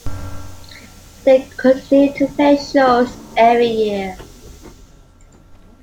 They continue to play shows every year.